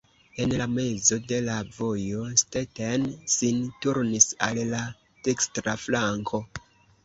En la mezo de la vojo Stetten sin turnis al la dekstra flanko.